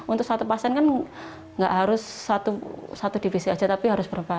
untuk satu pasien kan nggak harus satu divisi aja tapi harus berapa